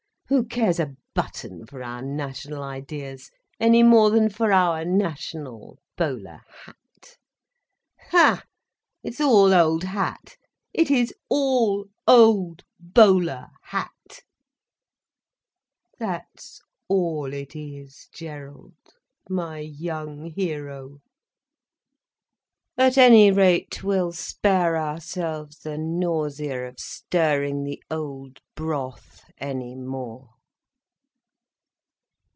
Who cares a button for our national ideas, any more than for our national bowler hat? Aha, it is all old hat, it is all old bowler hat! That's all it is, Gerald, my young hero. At any rate we'll spare ourselves the nausea of stirring the old broth any more.